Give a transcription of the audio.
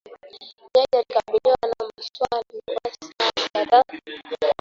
Jaji alikabiliwa na maswali kwa saa kadhaa